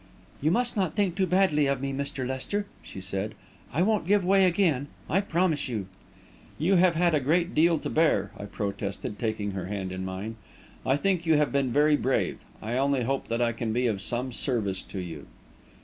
"You must not think too badly of me, Mr. Lester," she said. "I won't give way again, I promise you." "You have had a great deal to bear," I protested, taking her hand in mine. "I think you have been very brave. I only hope that I can be of some service to you."